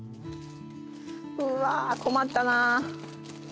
うわ困ったな。